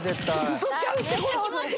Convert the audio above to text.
ウソちゃうって！